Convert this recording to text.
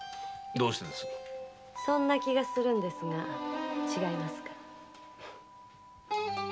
そんな気がするんですが違いますか？